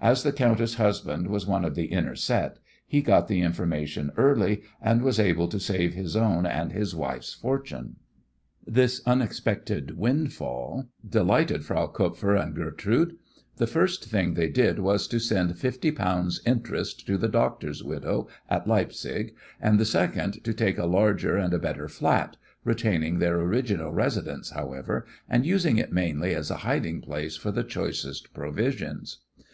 As the countess' husband was one of the inner set, he got the information early, and was able to save his own and his wife's fortune. This unexpected windfall delighted Frau Kupfer and Gertrude. The first thing they did was to send fifty pounds' "interest" to the doctor's widow at Leipzig, and the second to take a larger and better flat, retaining their original residence, however, and using it mainly as a hiding place for the choicest provisions.